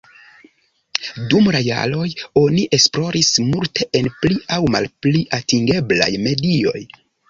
Dum la jaroj oni esploris multe en pli aŭ malpli atingeblaj medioj.